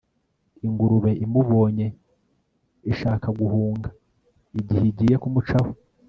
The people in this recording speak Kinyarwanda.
ingurube imubonye ishaka guhunga, igihe igiye kumucaho